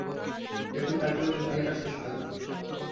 এখুনি চাবিগুলো নিয়ে আসছি, সোনা।